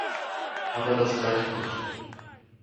Aber das reicht nicht.